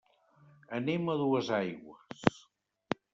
Anem a Duesaigües.